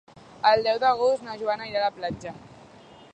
El deu d'agost na Joana irà a la platja.